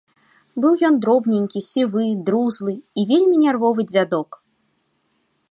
Быў ён дробненькі, сівы, друзлы і вельмі нервовы дзядок.